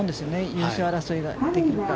優勝争いができるか。